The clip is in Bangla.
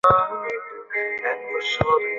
সে তোমাকে কিছু বলে নি?